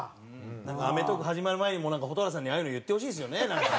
なんか『アメトーーク』始まる前にも蛍原さんにああいうの言ってほしいですよねなんか。